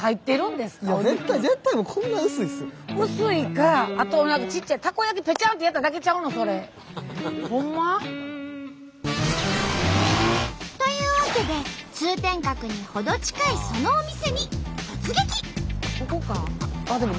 薄いかあとは何かというわけで通天閣に程近いそのお店に突撃！